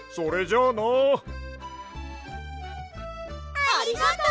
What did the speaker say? ありがとう！